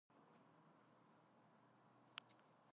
პარლამენტის წევრი გახდა, როგორც ლანჩხუთის ოლქის მაჟორიტარი დეპუტატი.